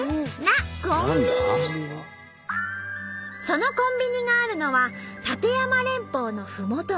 そのコンビニがあるのは立山連峰のふもと。